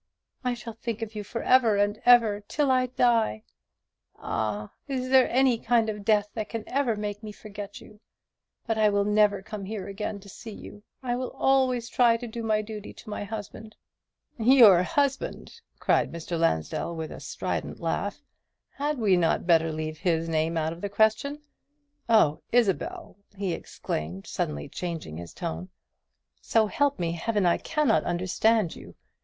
I shall think of you for ever and ever, till I die. Ah, is there any kind of death that can ever make me forget you? but I will never come here again to see you. I will always try to do my duty to my husband." "Your husband!" cried Mr. Lansdell, with a strident laugh; "had we not better leave his name out of the question? Oh, Isabel!" he exclaimed, suddenly changing his tone, "so help me Heaven, I cannot understand you.